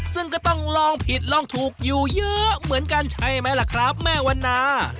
ซึ่งก็ต้องลองผิดลองถูกอยู่เยอะเหมือนกันใช่ไหมล่ะครับแม่วันนา